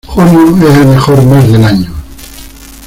Junio es el mejor mes del año.